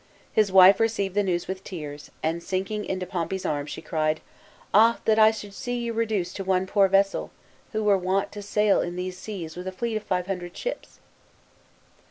His wife received the news with tears, and sinking into Pompey's arms, she cried, "Ah that I should see 188 DEATH OF POMPEY. [B.C. 48. you reduced to one poor vessel, who were wont to sail in these seas with a fleet of five hundred ships